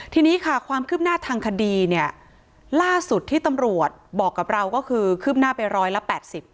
ทีนี้ค่ะความคืบหน้าทางคดีเนี่ยล่าสุดที่ตำรวจบอกกับเราก็คือคืบหน้าไปร้อยละแปดสิบ